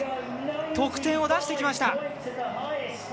得点を出してきました。